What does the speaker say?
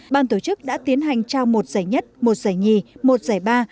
ban tổ chức đã tiến hành trao một giải nhất một giải nhì một giải ba